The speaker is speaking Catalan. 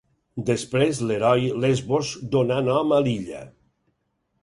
Després l'heroi Lesbos donà nom a l'illa.